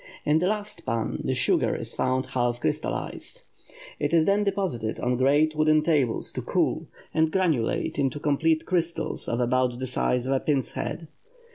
In the last pan the sugar is found half crystallized. It is then deposited on great wooden tables to cool, and granulate into complete crystals of about the size of a pin's head.